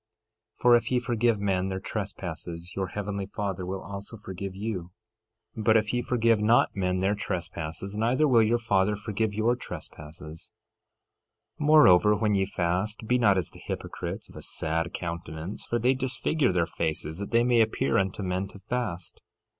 13:14 For, if ye forgive men their trespasses your heavenly Father will also forgive you; 13:15 But if ye forgive not men their trespasses neither will your Father forgive your trespasses. 13:16 Moreover, when ye fast be not as the hypocrites, of a sad countenance, for they disfigure their faces that they may appear unto men to fast.